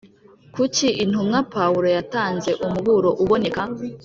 Kuki intumwa pawulo yatanze umuburo uboneka